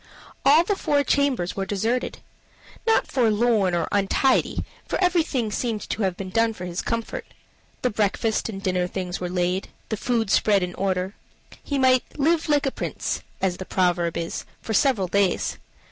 All the four chambers were deserted not forlorn or untidy, for everything seemed to have been done for his comfort the breakfast and dinner things were laid, the food spread in order. He might live "like a prince," as the proverb is, for several days.